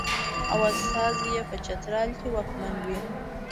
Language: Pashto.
او استازی یې په چترال کې واکمن وي.